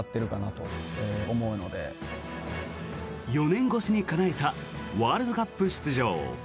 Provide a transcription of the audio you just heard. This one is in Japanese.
４年越しにかなえたワールドカップ出場。